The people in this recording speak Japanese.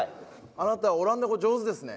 あなたオランダ語上手ですね。